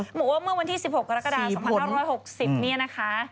บอกว่าเมื่อวันที่๑๖กรกฎา๒๕๖๐เนี่ยนะคะ